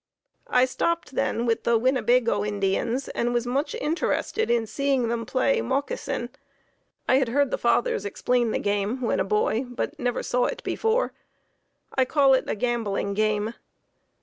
I stopped then with the Win a ba go Indians, and was much interested in seeing them play mog i cin. I had heard the fathers explain the game when a boy, but never saw it before. I call it a gambling game.